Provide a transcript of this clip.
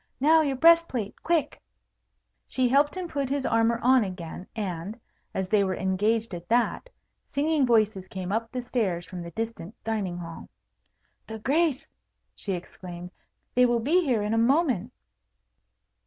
"Now, your breast plate, quick!" She helped him put his armour on again; and, as they were engaged at that, singing voices came up the stairs from the distant dining hall. "The Grace," she exclaimed; "they will be here in a moment."